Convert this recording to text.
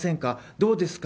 どうですか？